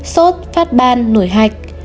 sốt phát ban nổi hạch